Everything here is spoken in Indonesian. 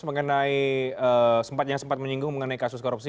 mengenai sempat yang sempat menyinggung mengenai kasus korupsi